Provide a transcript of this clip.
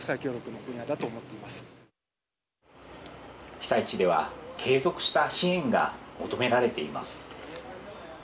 被災地では継続した支援が求められています。